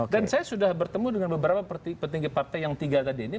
dan saya sudah bertemu dengan beberapa petinggi partai yang tiga tadi ini